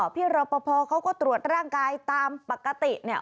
พี่รปภเขาก็ตรวจร่างกายตามปกติ